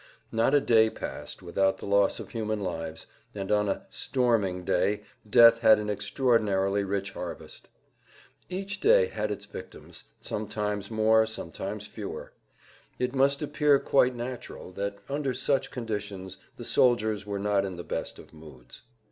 Not a day passed without the loss of human lives, and on a "storming day" death had an extraordinarily rich harvest. Each day had its victims, sometimes more, sometimes fewer. It must appear quite natural that under such conditions the soldiers were not in the best of moods.